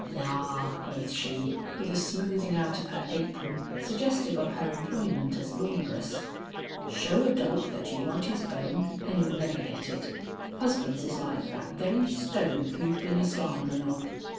"La!" quoth she, with a smoothing out of her apron suggestive of her employment as laundress, "show a dog that you want his bone and you'll never get it. Husbands is like that very stove you've been a slanderin of.